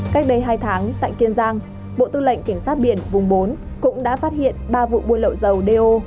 cách đây hai tháng tại kiên giang bộ tư lệnh cảnh sát biển vùng bốn cũng đã phát hiện ba vụ buôn lậu dầu do